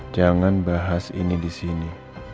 jangan bahas ini disini